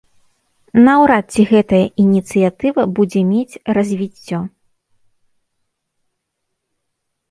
Наўрад ці гэтая ініцыятыва будзе мець развіццё.